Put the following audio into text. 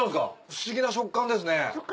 不思議な食感ですね。